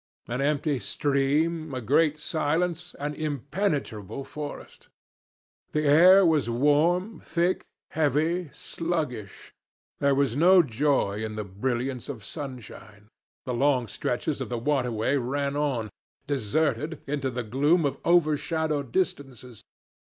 An empty stream, a great silence, an impenetrable forest. The air was warm, thick, heavy, sluggish. There was no joy in the brilliance of sunshine. The long stretches of the waterway ran on, deserted, into the gloom of overshadowed distances.